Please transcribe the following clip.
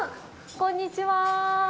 こんにちは。